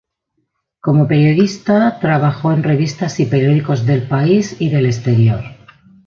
Como periodista trabajó en revistas y periódicos del país y del exterior.